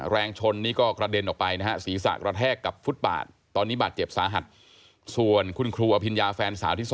แรงชนนี้ก็กระเด็นออกไปนะฮะศีรษะกระแทกกับฟุตบาต